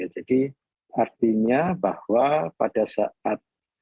jadi artinya bahwa pada saatnya